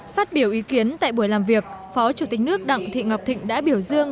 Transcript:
phát biểu ý kiến tại buổi làm việc phó chủ tịch nước đặng thị ngọc thịnh đã biểu dương